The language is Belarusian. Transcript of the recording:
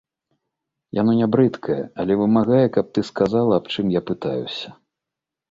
Яно не брыдкае, але вымагае, каб ты сказала, аб чым пытаюся.